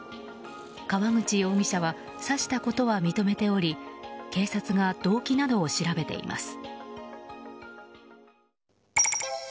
川口容疑者は刺したことは認めており警察が動機などを調べています。